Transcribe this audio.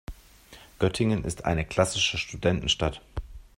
Göttingen ist eine klassische Studentenstadt.